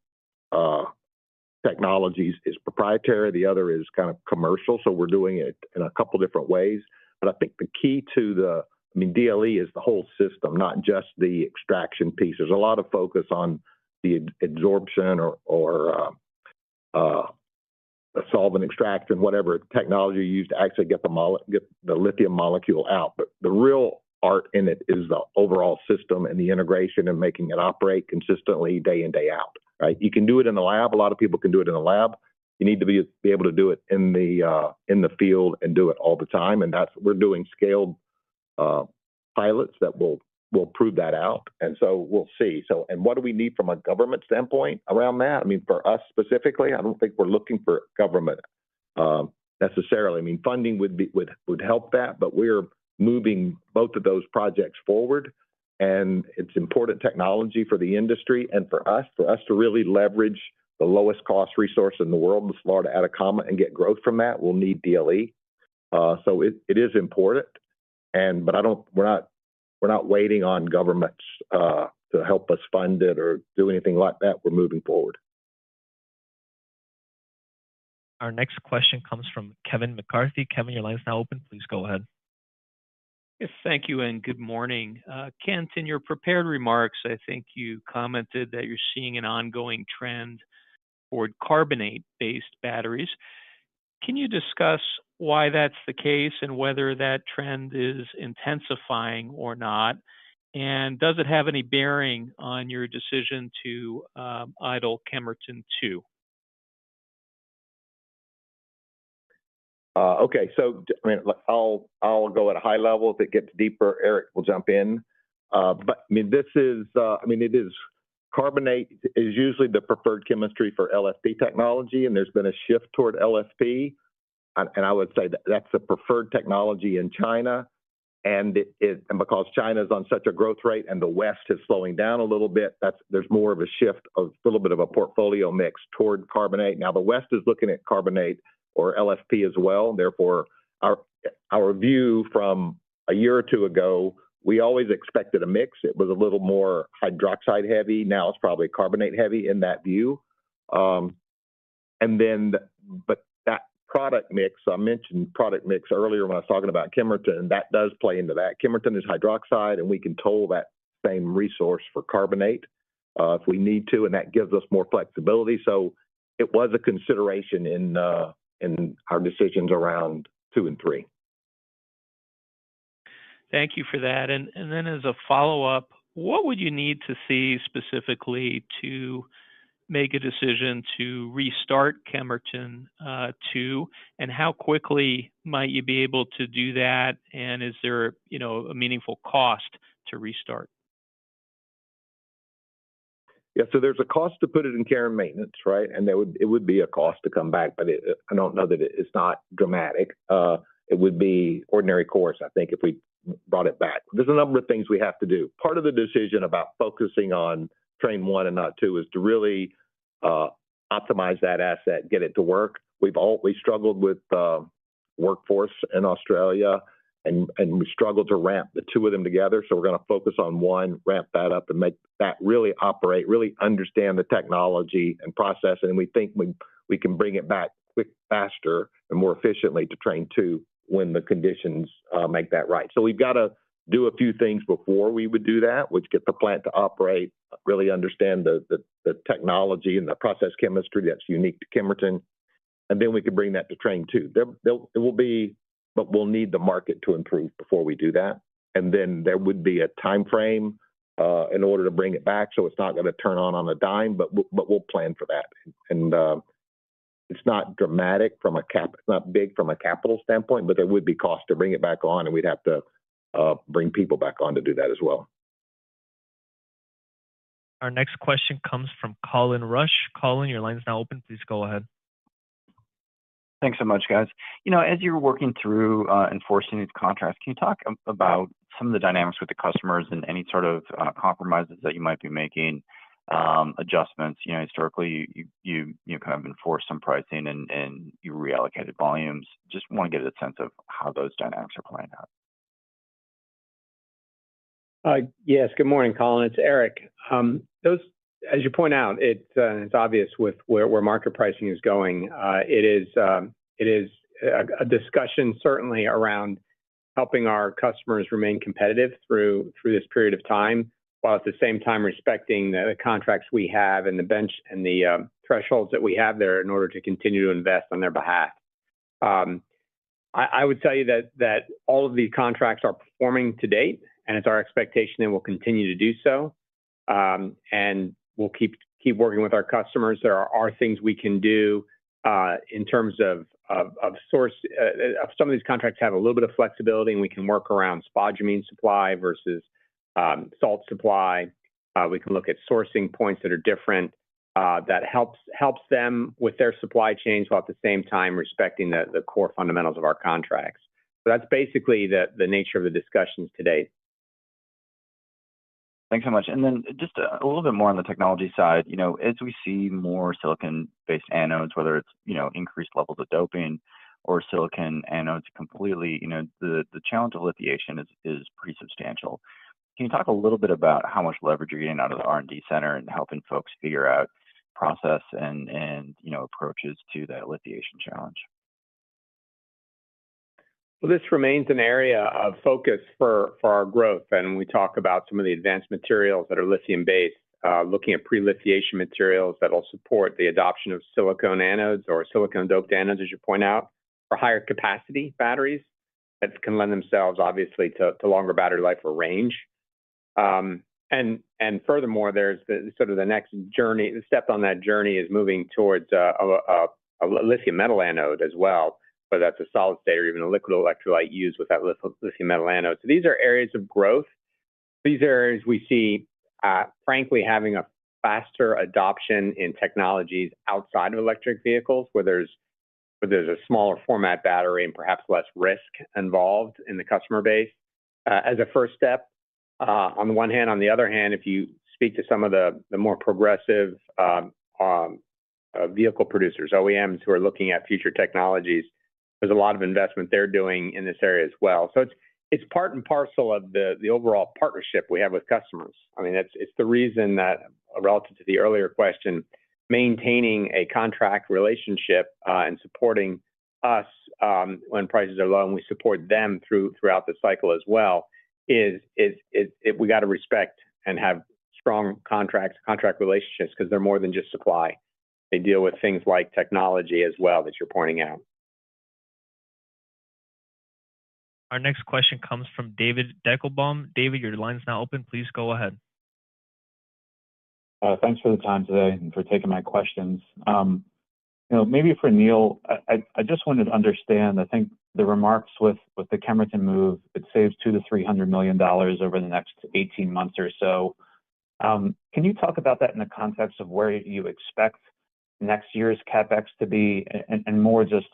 technologies is proprietary. The other is kind of commercial. So we're doing it in a couple of different ways. But I think the key to the, I mean, DLE is the whole system, not just the extraction piece. There's a lot of focus on the absorption or solvent extraction, whatever technology you use to actually get the lithium molecule out. But the real art in it is the overall system and the integration and making it operate consistently day in, day out, right? You can do it in the lab. A lot of people can do it in the lab. You need to be able to do it in the field and do it all the time. And we're doing scaled pilots that will prove that out. And so we'll see. And what do we need from a government standpoint around that? I mean, for us specifically, I don't think we're looking for government necessarily. I mean, funding would help that, but we're moving both of those projects forward. It's important technology for the industry and for us. For us to really leverage the lowest-cost resource in the world, the Salar de Atacama, and get growth from that, we'll need DLE. So it is important. But we're not waiting on governments to help us fund it or do anything like that. We're moving forward. Our next question comes from Kevin McCarthy. Kevin, your line's now open. Please go ahead. Yes. Thank you. And good morning. Kent, in your prepared remarks, I think you commented that you're seeing an ongoing trend toward carbonate-based batteries. Can you discuss why that's the case and whether that trend is intensifying or not? And does it have any bearing on your decision to idle Kemerton Two? Okay. So I mean, I'll go at a high level. If it gets deeper, Eric will jump in. But I mean, this is. I mean, it is carbonate is usually the preferred chemistry for LFP technology. And there's been a shift toward LFP. And I would say that that's the preferred technology in China. And because China is on such a growth rate and the West is slowing down a little bit, there's more of a shift of a little bit of a portfolio mix toward carbonate. Now, the West is looking at carbonate or LFP as well. Therefore, our view from a year or two ago, we always expected a mix. It was a little more hydroxide-heavy. Now it's probably carbonate-heavy in that view. And then that product mix, I mentioned product mix earlier when I was talking about Kemerton, that does play into that. Kemerton is hydroxide, and we can toll that same resource for carbonate if we need to. And that gives us more flexibility. So it was a consideration in our decisions around two and three. Thank you for that. And then as a follow-up, what would you need to see specifically to make a decision to restart Kemerton Two? And how quickly might you be able to do that? And is there a meaningful cost to restart? Yeah. So there's a cost to put it in care and maintenance, right? And it would be a cost to come back, but I don't know that it's not dramatic. It would be ordinary course, I think, if we brought it back. There's a number of things we have to do. Part of the decision about focusing on Train One and not Two is to really optimize that asset, get it to work. We've struggled with workforce in Australia, and we struggled to ramp the two of them together. So we're going to focus on one, ramp that up, and make that really operate, really understand the technology and process. And we think we can bring it back faster, more efficiently to Train Two when the conditions make that right. So we've got to do a few things before we would do that, which get the plant to operate, really understand the technology and the process chemistry that's unique to Kemerton. And then we can bring that to Train Two. It will be, but we'll need the market to improve before we do that. And then there would be a timeframe in order to bring it back. So it's not going to turn on on a dime, but we'll plan for that. It's not dramatic from a, it's not big from a capital standpoint, but there would be cost to bring it back on, and we'd have to bring people back on to do that as well. Our next question comes from Colin Rusch. Colin, your line's now open. Please go ahead. Thanks so much, guys. As you're working through enforcing these contracts, can you talk about some of the dynamics with the customers and any sort of compromises that you might be making, adjustments? Historically, you kind of enforced some pricing, and you reallocated volumes. Just want to get a sense of how those dynamics are playing out. Yes. Good morning, Colin. It's Eric. As you point out, it's obvious with where market pricing is going. It is a discussion, certainly, around helping our customers remain competitive through this period of time while at the same time respecting the contracts we have and the benchmark and the thresholds that we have there in order to continue to invest on their behalf. I would tell you that all of these contracts are performing to date, and it's our expectation they will continue to do so. We'll keep working with our customers. There are things we can do in terms of sourcing. Some of these contracts have a little bit of flexibility, and we can work around spodumene supply versus salt supply. We can look at sourcing points that are different that helps them with their supply chains while at the same time respecting the core fundamentals of our contracts. That's basically the nature of the discussions today. Thanks so much. And then just a little bit more on the technology side. As we see more silicon-based anodes, whether it's increased levels of doping or silicon anodes completely, the challenge of lithiation is pretty substantial. Can you talk a little bit about how much leverage you're getting out of the R&D center and helping folks figure out process and approaches to that lithiation challenge? Well, this remains an area of focus for our growth. And we talk about some of the advanced materials that are lithium-based, looking at pre-lithiation materials that will support the adoption of silicon anodes or silicon-doped anodes, as you point out, for higher capacity batteries that can lend themselves, obviously, to longer battery life or range. And furthermore, there's sort of the next step on that journey is moving towards a lithium metal anode as well, whether that's a solid state or even a liquid electrolyte used with that lithium metal anode. So these are areas of growth. These areas we see, frankly, having a faster adoption in technologies outside of electric vehicles where there's a smaller format battery and perhaps less risk involved in the customer base as a first step. On the one hand. On the other hand, if you speak to some of the more progressive vehicle producers, OEMs who are looking at future technologies, there's a lot of investment they're doing in this area as well. So it's part and parcel of the overall partnership we have with customers. I mean, it's the reason that, relative to the earlier question, maintaining a contract relationship and supporting us when prices are low and we support them throughout the cycle as well is we got to respect and have strong contract relationships because they're more than just supply. They deal with things like technology as well that you're pointing out. Our next question comes from David Deckelbaum. David, your line's now open. Please go ahead. Thanks for the time today and for taking my questions. Maybe for Neal, I just wanted to understand. I think the remarks with the Kemerton move, it saves $200 million-$300 million over the next 18 months or so. Can you talk about that in the context of where you expect next year's CapEx to be? And more, just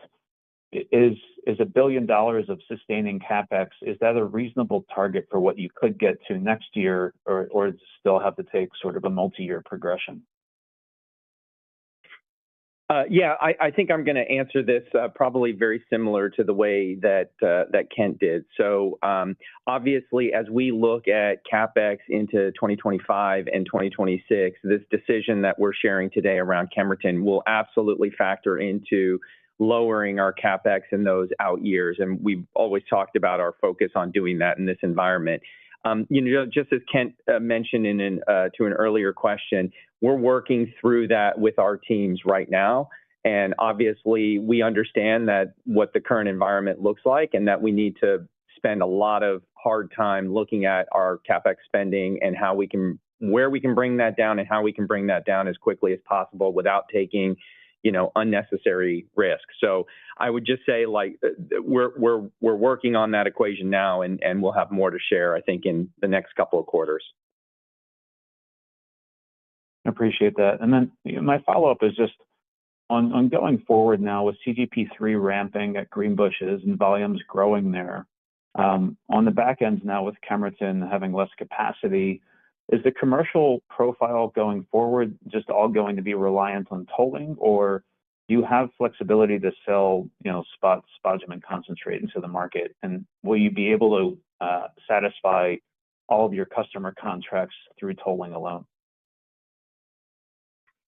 is $1 billion of sustaining CapEx. Is that a reasonable target for what you could get to next year, or does it still have to take sort of a multi-year progression? Yeah. I think I'm going to answer this probably very similar to the way that Kent did. So obviously, as we look at CapEx into 2025 and 2026, this decision that we're sharing today around Kemerton will absolutely factor into lowering our CapEx in those out years. And we've always talked about our focus on doing that in this environment. Just as Kent mentioned to an earlier question, we're working through that with our teams right now. And obviously, we understand that what the current environment looks like and that we need to spend a lot of hard time looking at our CapEx spending and where we can bring that down and how we can bring that down as quickly as possible without taking unnecessary risks. So I would just say we're working on that equation now, and we'll have more to share, I think, in the next couple of quarters. I appreciate that. And then my follow-up is just on going forward now with CGP3 ramping at Greenbushes and volumes growing there. On the back end now with Kemerton having less capacity, is the commercial profile going forward just all going to be reliant on tolling, or do you have flexibility to sell spodumene concentrate into the market? And will you be able to satisfy all of your customer contracts through tolling alone?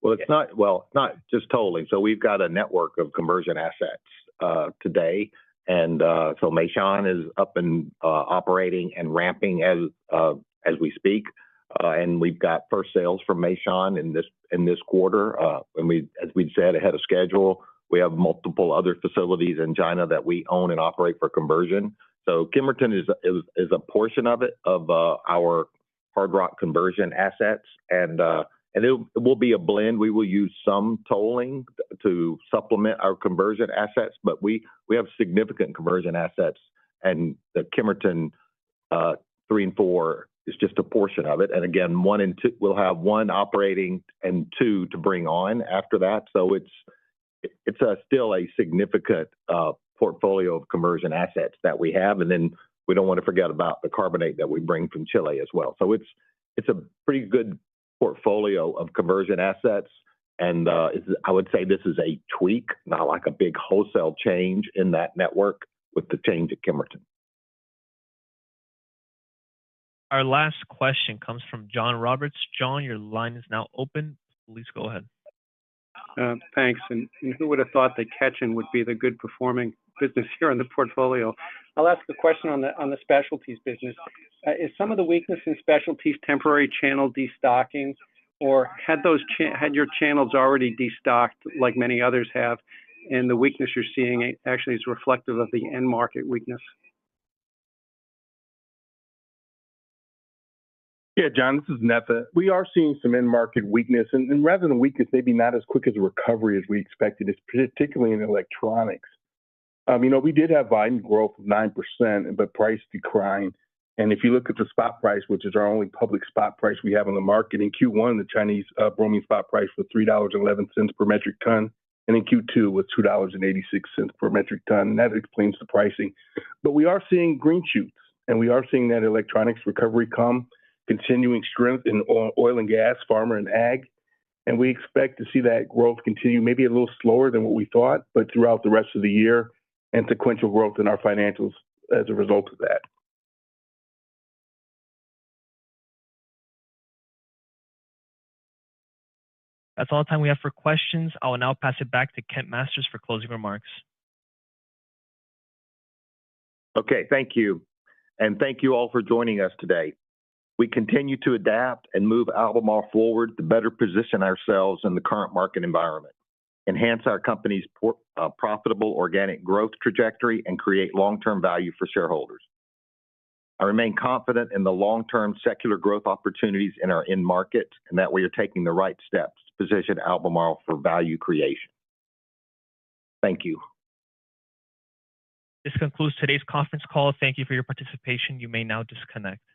Well, it's not just tolling. So we've got a network of conversion assets today. And so Meishan is up and operating and ramping as we speak. And we've got first sales from Meishan in this quarter. As we'd said, ahead of schedule, we have multiple other facilities in China that we own and operate for conversion. So Kemerton is a portion of it, of our hard rock conversion assets. And it will be a blend. We will use some tolling to supplement our conversion assets, but we have significant conversion assets. And the Kemerton Three and Four is just a portion of it. And again, we'll have One operating and Two to bring on after that. So it's still a significant portfolio of conversion assets that we have. And then we don't want to forget about the carbonate that we bring from Chile as well. So it's a pretty good portfolio of conversion assets. And I would say this is a tweak, not like a big wholesale change in that network with the change at Kemerton. Our last question comes from John Roberts. John, your line is now open. Please go ahead. Thanks. And who would have thought that Ketjen would be the good-performing business here in the portfolio? I'll ask a question on the Specialties business. Is some of the weakness in Specialties temporary channel destocking, or had your channels already destocked like many others have? And the weakness you're seeing actually is reflective of the end market weakness. Yeah, John, this is Netha. We are seeing some end market weakness. And rather than weakness, maybe not as quick as a recovery as we expected, particularly in electronics. We did have volume growth of 9%, but price declined. If you look at the spot price, which is our only public spot price we have on the market, in Q1, the Chinese bromine spot price was $3.11 per metric ton. In Q2, it was $2.86 per metric ton. That explains the pricing. But we are seeing green shoots, and we are seeing that electronics recovery come, continuing strength in oil and gas, pharma and ag. We expect to see that growth continue, maybe a little slower than what we thought, but throughout the rest of the year and sequential growth in our financials as a result of that. That's all the time we have for questions. I'll now pass it back to Kent Masters for closing remarks. Okay. Thank you. And thank you all for joining us today. We continue to adapt and move Albemarle forward to better position ourselves in the current market environment, enhance our company's profitable organic growth trajectory, and create long-term value for shareholders. I remain confident in the long-term secular growth opportunities in our end markets and that we are taking the right steps to position Albemarle for value creation. Thank you. This concludes today's conference call. Thank you for your participation. You may now disconnect.